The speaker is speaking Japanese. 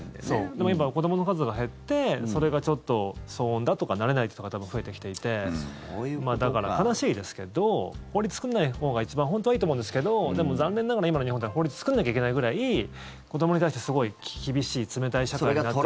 でも今、子どもの数が減ってそれがちょっと騒音だとか慣れない人が多分増えてきていてだから悲しいですけど法律作らないほうが一番本当はいいと思うんですけどでも、残念ながら今の日本というのは法律作らなきゃいけないぐらい子どもに対してすごい厳しい、冷たい社会になっていて。